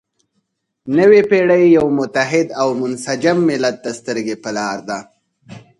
نوې پېړۍ یو متحد او منسجم ملت ته سترګې په لاره ده.